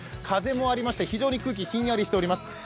風もありまして非常に空気ひんやりしております。